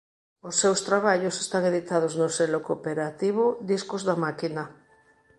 Os seus traballos están editados no selo cooperativo Discos da máquina.